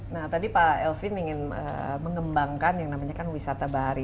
nah tadi pak elvin ingin mengembangkan yang namanya kan wisata bahari